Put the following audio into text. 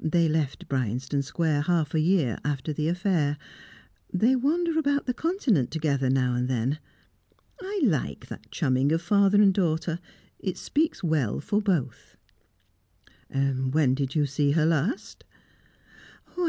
They left Bryanston Square half a year after the affair. They wander about the Continent together, now and then. I like that chumming of father and daughter; it speaks well for both." "When did you see her last?"